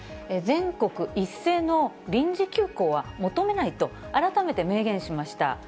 全国一斉の臨時休校は求めないと、改めて明言しました。